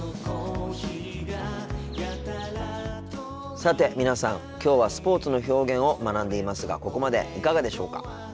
さて皆さんきょうはスポーツの表現を学んでいますがここまでいかがでしょうか。